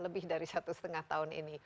lebih dari satu setengah tahun ini